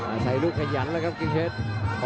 อาศัยลูกขยันแล้วครับกิ่งเพชร